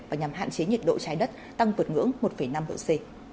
và nhằm hạn chế nhiệt độ trái đất tăng vượt ngưỡng một năm độ c